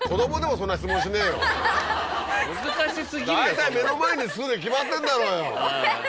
大体目の前に作るに決まってんだろうがよ。